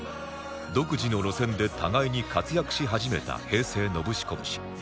独自の路線で互いに活躍し始めた平成ノブシコブシ